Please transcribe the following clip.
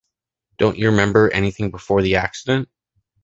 Don’t you remember anything before the accident?